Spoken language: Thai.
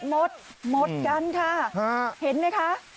หมดหมดกันค่ะเห็นไหมคะ